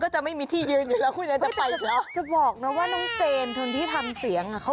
ตามน้องคนนี้เยอะ